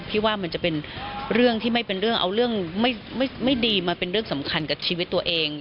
ว่ามันจะเป็นเรื่องที่ไม่เป็นเรื่องเอาเรื่องไม่ดีมาเป็นเรื่องสำคัญกับชีวิตตัวเอง